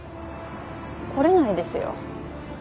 怒れないですよ。